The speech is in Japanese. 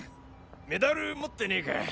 メダル持ってねぇか？